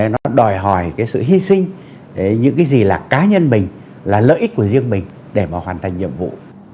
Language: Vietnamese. nó đòi hỏi cái sự hy sinh những cái gì là cá nhân mình là lợi ích của riêng mình để mà hoàn thành nhiệm vụ